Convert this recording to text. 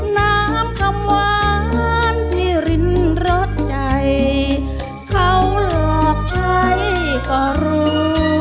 น้ำคำหวานที่ริมรสใจเขาหลอกใครก็รู้